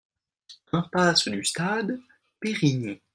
Impasse du Stade, Périgny